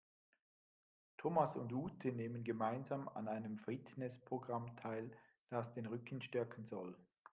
Thomas und Ute nehmen gemeinsam an einem Fitnessprogramm teil, das den Rücken stärken soll.